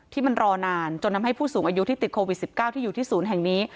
ที่มันรอนานจนทำให้ผู้สูงอายุที่ติดโควิด๑๙ที่อยู่ที่ศูนย์แห่งนี้